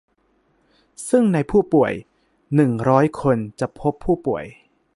ซึ่งในผู้ป่วย หนึ่งร้อย คน จะพบผู้ป่วย